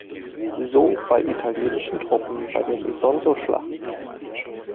So bei italienischen Truppen bei den Isonzoschlachten.